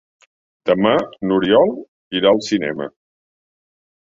Demà n'Oriol irà al cinema.